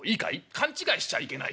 勘違いしちゃいけない。